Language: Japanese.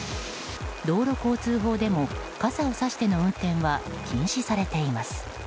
道路交通法でも傘をさしての運転は禁止されています。